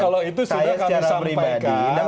kalau itu sudah kami sampaikan